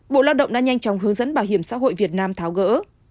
bộ lao động đã nhanh chóng hướng dẫn bảo hiểm xã hội việt nam tháo gỡ